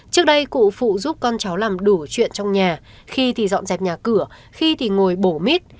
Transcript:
trước đây cụ phụ giúp con cháu làm đủ chuyện trong nhà khi thì dọn dẹp nhà cửa khi thì ngồi bổ mít